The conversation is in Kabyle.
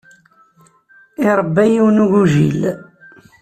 Iṛebba yiwen n ugujil.